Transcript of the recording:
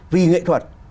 vì nghệ thuật